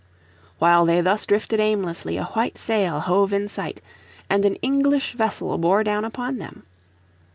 While they thus drifted aimlessly a white sail hove in sight, and an English vessel bore down upon them.